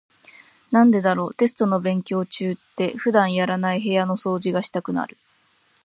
なんでだろう、テスト勉強中って普段やらない部屋の掃除がしたくなる。